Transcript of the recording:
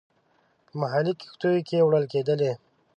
په محلي کښتیو کې وړل کېدلې.